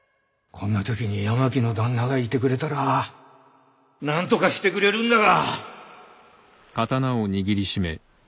こんなときに八巻の旦那がいてくれたらなんとかしてくれるんだが！